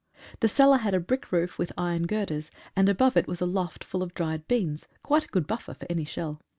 The cellar had a brick roof with iron girders, and above it was a loft full of dried beans, — quite a good buffer for any shell.